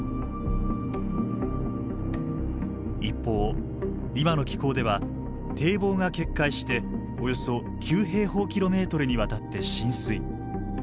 一方今の気候では堤防が決壊しておよそ９にわたって浸水。